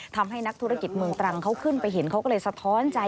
ทำให้นักธุรกิจเมืองตรังเขาขึ้นไปเห็นเขาก็เลยสะท้อนใจ